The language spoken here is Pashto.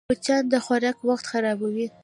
مچان د خوراک وخت خرابوي